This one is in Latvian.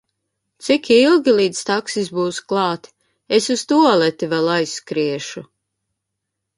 Cik ilgi, līdz taksis būs klāt? Es uz tualeti vēl aizskriešu!